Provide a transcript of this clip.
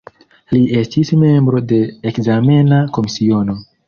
Li estis membro de ekzamena komisiono.